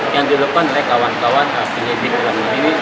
yang dilakukan oleh kawan kawan penyelidik dalam hal ini